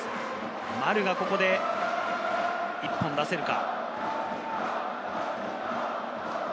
丸がここで、１本出せるか？